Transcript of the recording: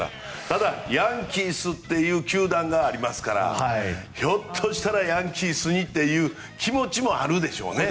ただ、ヤンキースという球団がありますからひょっとしたらヤンキースにという気持ちもあるでしょうね。